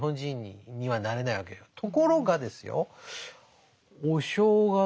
ところがですよお正月